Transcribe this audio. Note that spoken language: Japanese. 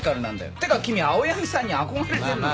ってか君青柳さんに憧れてんのか？